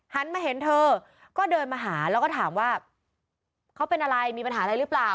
หันมาเห็นเธอก็เดินมาหาแล้วก็ถามว่าเขาเป็นอะไรมีปัญหาอะไรหรือเปล่า